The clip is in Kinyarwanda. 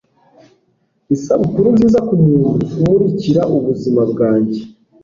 isabukuru nziza kumuntu umurikira ubuzima bwanjye